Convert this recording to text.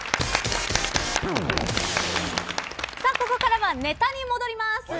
ここからはネタに戻ります。